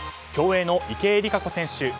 競泳の池江璃花子選手